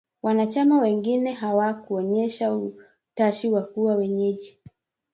Wanachama wengine hawakuonyesha utashi wa kuwa wenyeji.